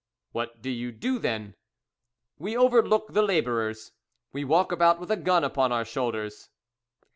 "What do you do, then?" "We overlook the labourers. We walk about with a gun upon our shoulders."